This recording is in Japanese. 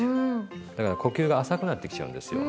だから呼吸が浅くなってきちゃうんですよ。